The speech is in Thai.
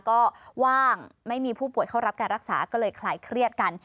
ก็ว่างไม่มีผู้ป่วยเข้ารับการรักษาก็เลยคลายเครียดกัน